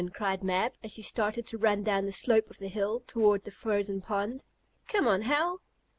cried Mab, as she started to run down the slope of the hill toward the frozen pond. "Come on, Hal!"